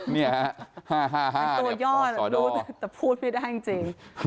๕๕๕ตัวยอดรู้แต่พูดไม่ได้จริง